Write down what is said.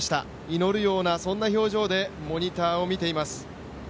祈るような、そんな表情でモニターを見ています。